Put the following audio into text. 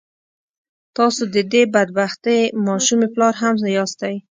تاسو د دې بد بختې ماشومې پلار هم ياستئ.